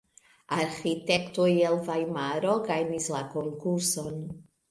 Arĥitektoj el Vajmaro gajnis la konkurson.